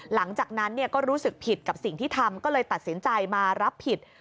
หลังจากนั้นก็รู้สึกผิดกับสิ่งที่ทำก็เลยตัดสินใจมารับผิด